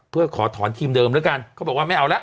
เพื่อขอถอนทีมเดิมแล้วกันเขาบอกว่าไม่เอาละ